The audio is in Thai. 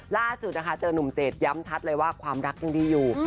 ล่าสุดนะคะเจอนุ่มเจดย้ำชัดเลยว่าความรักยังดีอยู่